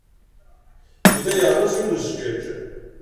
Yella yerreẓ yiwen n zzǧaǧ.